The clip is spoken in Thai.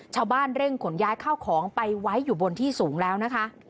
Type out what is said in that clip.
ชาวบ้านเร่งขนย้ายข้าวของไปไว้อยู่บนที่สูงแล้วนะคะ